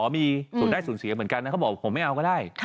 มีศูนย์ได้สูญเสียเหมือนกันนะเขาบอกผมไม่เอาก็ได้